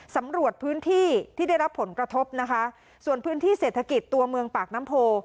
สำรวจพื้นที่ที่ได้รับผลกระทบนะคะส่วนพื้นที่เศรษฐกิจตัวเมืองปากน้ำโพ